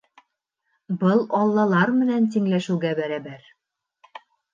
Был Аллалар менән тиңләшеүгә бәрәбәр.